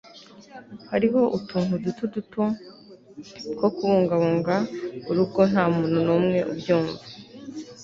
hariho utuntu duto duto two kubungabunga urugo nta muntu numwe ubyumva